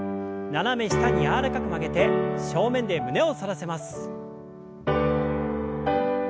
斜め下に柔らかく曲げて正面で胸を反らせます。